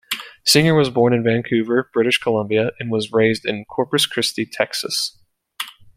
Singer was born in Vancouver, British Columbia and was raised in Corpus Christi, Texas.